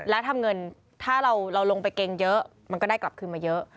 แล้วทำเงินถ้าเราลงไปเกงเยอะมันก็ได้กลับขึ้นมาเยอะ